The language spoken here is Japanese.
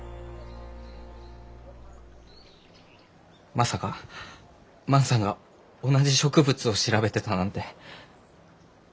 まさか万さんが同じ植物を調べてたなんて。